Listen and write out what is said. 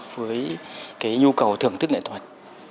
với cái nhu cầu thưởng thức nghệ thuật